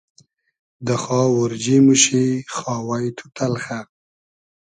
دۂ خاو اۉرجی موشی خاوای تو تئلخۂ